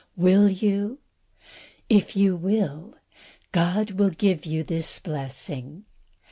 Will you? If you will, God will give you this blessing.